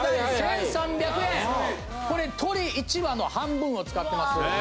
これ鶏１羽の半分を使ってます。